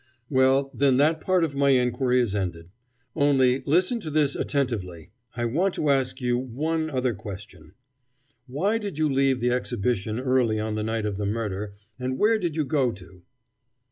"Well, then, that part of my inquiry is ended. Only, listen to this attentively. I want to ask you one other question: Why did you leave the Exhibition early on the night of the murder, and where did you go to?"